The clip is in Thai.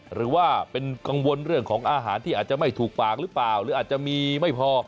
หรือว่าเป็นกังวลเรื่องของอาหารที่อาจจะไม่ถูกปากหรือเปล่าหรืออาจจะมีไม่พอ